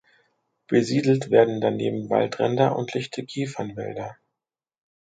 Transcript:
Besiedelt werden daneben Waldränder und lichte Kiefernwälder.